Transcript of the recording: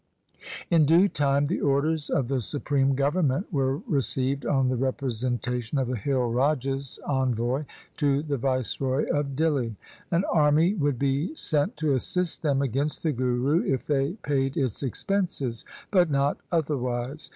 THE SIKH RELIGION In due time the orders of the supreme government were received on the representation of the hill rajas' envoy to the viceroy of Dihli. An army would be sent to assist them against the Guru, if they paid its expenses, but not otherwise.